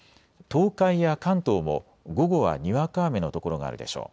東海や関東も午後はにわか雨の所があるでしょう。